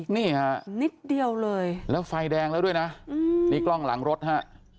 นี่ฮะนิดเดียวเลยแล้วไฟแดงแล้วด้วยนะนี่กล้องหลังรถฮะ